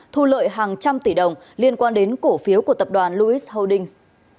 thu lợi hàng trăm tỷ đồng liên quan đến cổ phiếu của tập đoàn louis holdings